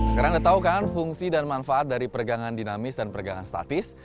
sekarang anda tahu kan fungsi dan manfaat dari pergangan dinamis dan pergangan statis